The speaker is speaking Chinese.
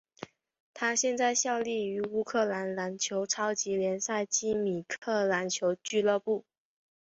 他现在效力于乌克兰篮球超级联赛基米克篮球俱乐部。